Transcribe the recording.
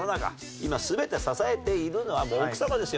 今全て支えているのは奥さまですよ。